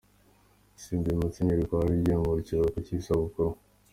Asimbuye Musenyeri Rwaje ugiye mu kiruhuko cy’izabukuru.